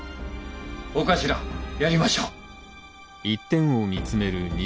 お頭やりましょう。